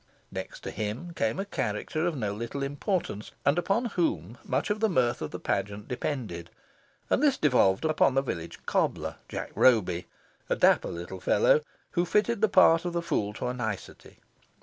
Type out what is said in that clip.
Next to him came a character of no little importance, and upon whom much of the mirth of the pageant depended, and this devolved upon the village cobbler, Jack Roby, a dapper little fellow, who fitted the part of the Fool to a nicety.